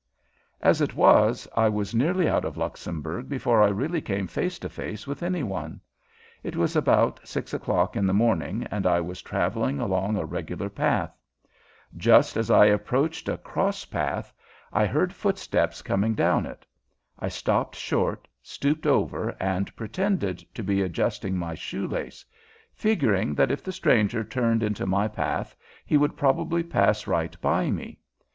As it was, I was nearly out of Luxembourg before I really came face to face with any one. It was about six o'clock in the morning and I was traveling along a regular path. Just as I approached a cross path I heard footsteps coming down it. I stopped short, stooped over, and pretended to be adjusting my shoe lace, figuring that if the stranger turned into my path he would probably pass right by me.